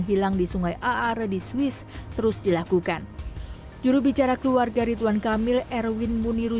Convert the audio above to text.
hilang di sungai aar di swiss terus dilakukan jurubicara keluarga ridwan kamil erwin muniru